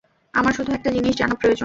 আমার শুধু একটা জিনিস জানা প্রয়োজন।